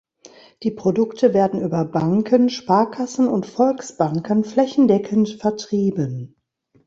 Die Produkte werden über Banken, Sparkassen und Volksbanken flächendeckend vertrieben.